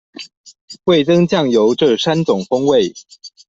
味噌、醬油這三種風味